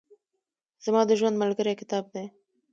زما د ژوند ملګری کتاب دئ.